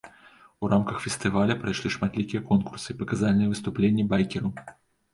У рамках фестываля прайшлі шматлікія конкурсы, паказальныя выступленні байкераў.